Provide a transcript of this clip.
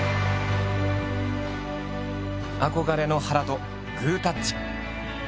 憧れの原とグータッチ。